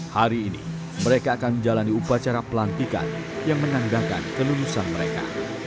hari ini mereka akan menjalani upacara pelantikan yang menandakan kelulusan mereka